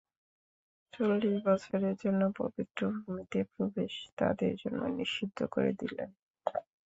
চল্লিশ বছরের জন্যে পবিত্র ভূমিতে প্রবেশ তাদের জন্যে নিষিদ্ধ করে দিলেন।